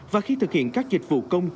và khi thực hiện các dịch vụ công